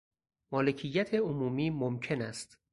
مالکیت عمومی ممکن است